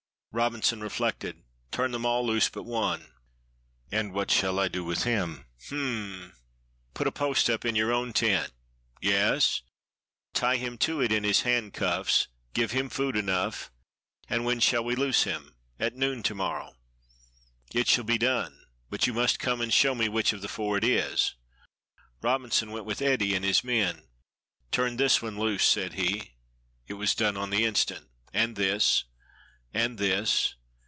Robinson reflected. "Turn them all loose but one." "And what shall I do with him?" "Hum! Put a post up in your own tent." "Yes." "Tie him to it in his handcuffs. Give him food enough." "And when shall we loose him?" "At noon, to morrow." "It shall be done! but you must come and show me which of the four it is." Robinson went with Ede and his men. "Turn this one loose," said he; it was done on the instant. "And this." "And this."